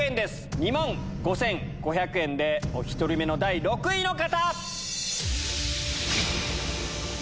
２万５５００円でお１人目の第６位の方！